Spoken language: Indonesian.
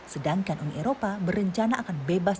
sedangkan uni eropa berencana akan bebas